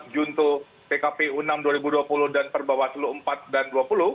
junto pkpu enam dua ribu dua puluh dan perbawaslu empat dan dua puluh